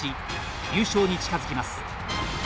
優勝に近づきます。